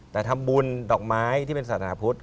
แต่ทำบุญดอกไม้ที่เป็นศาสนาพุทธ